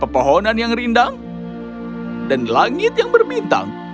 kau melihat pepohonan yang rindang dan langit yang bermintang